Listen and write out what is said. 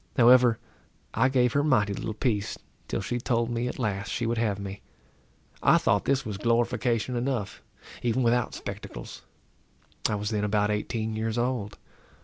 However, I gave her mighty little peace, till she told me at last she would have me. I thought this was glorification enough, even without spectacles. I was then about eighteen years old.